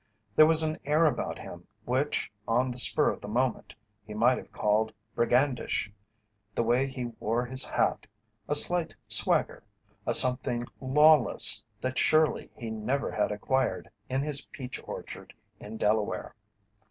There was an air about him which on the spur of the moment he might have called "brigandish" the way he wore his hat, a slight swagger, a something lawless that surely he never had acquired in his peach orchard in Delaware.